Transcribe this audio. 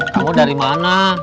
kamu dari mana